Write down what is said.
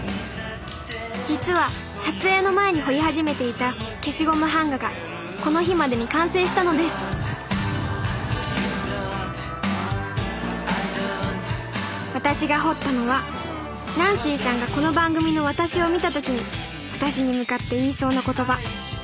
実は撮影の前に彫り始めていた消しゴム版画がこの日までに完成したのです私が彫ったのはナンシーさんがこの番組の私を見た時に私に向かって言いそうな言葉。